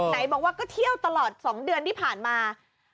ไหนบอกว่าก็เที่ยวตลอด๒เดือนที่ผ่านมา